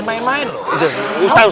bukan main main loh